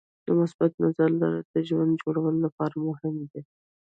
د مثبت نظر لرل د ژوند جوړولو لپاره مهم دي.